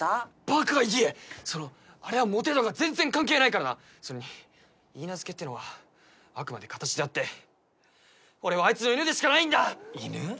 バカ言えそのあれはモテとか全然関係ないからなそれにいいなずけってのはあくまで形であって俺はあいつの犬でしかないんだ犬？